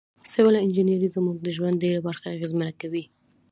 سیول انجنیری زموږ د ژوند ډیره برخه اغیزمنه کوي.